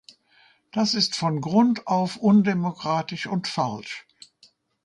Das ist von Grund auf undemokratisch und falsch.